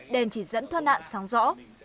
đèn chỉ dẫn thoát nạn sáng rõ